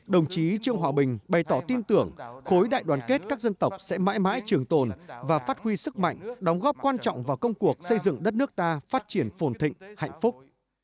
đồng chí trương hòa bình bày tỏ tin tưởng khối đại đoàn kết các dân tộc sẽ mãi mãi trường tồn và phát huy sức mạnh đóng góp quan trọng vào công cuộc xây dựng đất nước ta phát triển phồn thịnh hạnh phúc